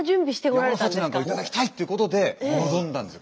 山の幸なんかを頂きたいっていうことで臨んだんですよ